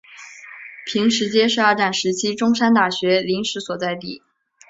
坪石街是二战时期中山大学临时所在地。